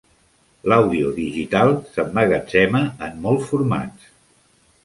L'àudio digital s'emmagatzema en molts formats.